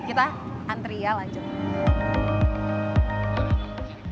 kita antri ya lanjut